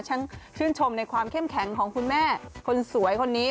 ชื่นชมในความเข้มแข็งของคุณแม่คนสวยคนนี้